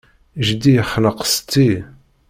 Jeddi yexneq setti.